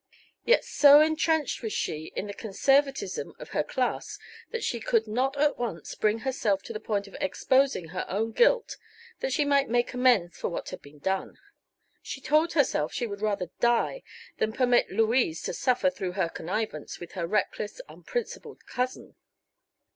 Yet so intrenched was she in the conservatism of her class that she could not at once bring herself to the point of exposing her own guilt that she might make amends for what had been done. She told herself she would rather die than permit Louise to suffer through her connivance with her reckless, unprincipled cousin.